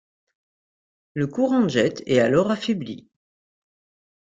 Le courant jet est alors affaibli.